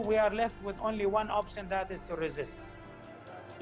israel defense force atau pasukan pertahanan israel